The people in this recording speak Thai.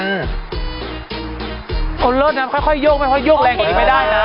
น้องครีม